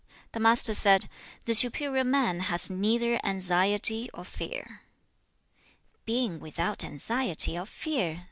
The Master said, 'The superior man has neither anxiety nor fear.' 2. 'Being without anxiety or fear!'